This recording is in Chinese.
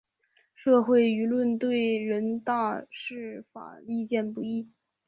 社会舆论对人大释法意见不一。